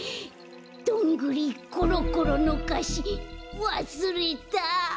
「どんぐりころころ」のかしわすれた。